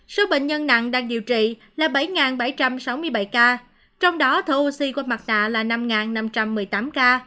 số bệnh nhân nặng đang điều trị là bảy bảy trăm sáu mươi bảy ca trong đó thở oxy qua mặt nạ là năm năm trăm một mươi tám ca